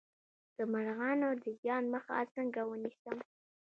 د مرغانو د زیان مخه څنګه ونیسم؟